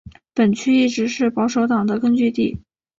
本区一直是保守党的根据地。